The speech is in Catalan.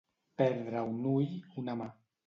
Perdre un ull, una mà.